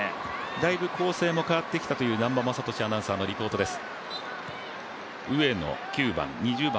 だいぶ構成も変わってきたという南波雅俊アナウンサーのリポートです。